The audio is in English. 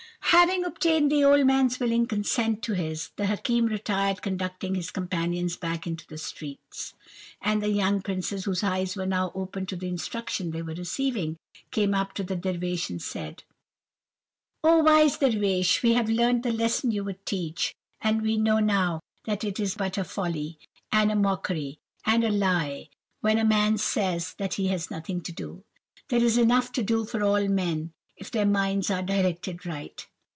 "Having obtained the old man's willing consent to his, the Hakim retiring conducted his companions back into the streets; and the young princes, whose eyes were now opened to the instruction they were receiving, came up to the Dervish, and said:— "'Oh, wise Dervish, we have learnt the lesson you would teach, and we know now that it is but a folly, and a mockery, and a lie, when a man says that he has nothing to do. There is enough to do for all men, if their minds are directed right!